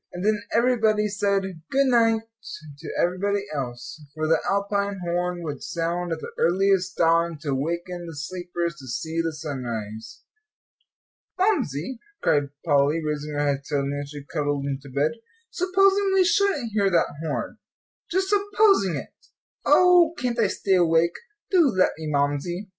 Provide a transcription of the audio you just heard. And then everybody said "good night" to everybody else; for the Alpine horn would sound at the earliest dawn to waken the sleepers to see the sunrise. "Mamsie," cried Polly, raising her head suddenly as she cuddled into bed, "supposing we shouldn't hear that horn just supposing it! Oh, can't I stay awake? Do let me, Mamsie."